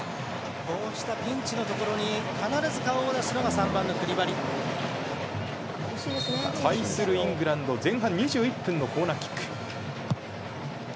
こうしたピンチのところに必ず顔を出すのが対するイングランド前半２１分のコーナーキック。